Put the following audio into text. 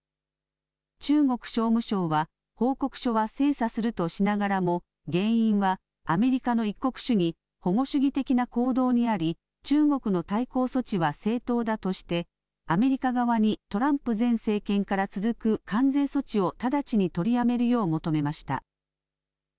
中国商務省は、報告書は精査するとしながらも、原因はアメリカの一国主義、保護主義的な行動にあり、中国の対抗措置は正当だとして、アメリカ側にトランプ前政権から続く関税措置を直ちに取りやめるよう求めました。